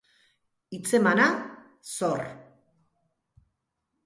Hitzemana, zor.